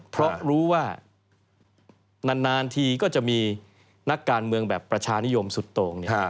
เพราะรู้ว่านานทีก็จะมีนักการเมืองแบบประชานิยมสุดตรง